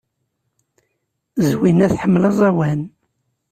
Zwina tḥemmel aẓawan.